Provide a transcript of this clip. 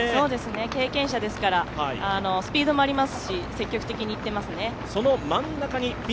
経験者ですから、スピードもありますし積極的にいっていますね。